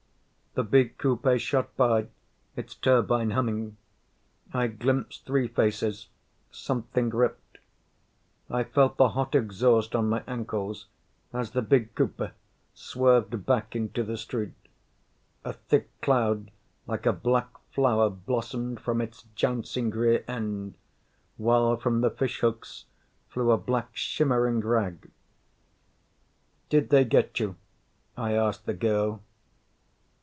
The big coupe shot by, its turbine humming. I glimpsed three faces. Something ripped. I felt the hot exhaust on my ankles as the big coupe swerved back into the street. A thick cloud like a black flower blossomed from its jouncing rear end, while from the fishhooks flew a black shimmering rag. "Did they get you?" I asked the girl.